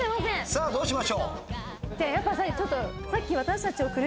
さあどうしましょう？